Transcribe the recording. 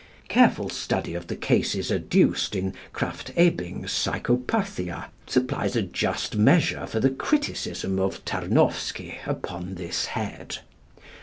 Careful study of the cases adduced in Krafft Ebing's "Psychopathia" supplies a just measure for the criticism of Tarnowsky upon this head.